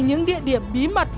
những địa điểm bí mật